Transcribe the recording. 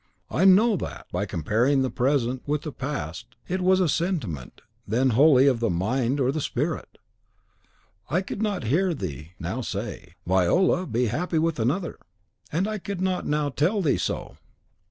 I know THAT, by comparing the present with the past, it was a sentiment then wholly of the mind or the spirit! I could not hear thee now say, 'Viola, be happy with another!'" "And I could not now tell thee so!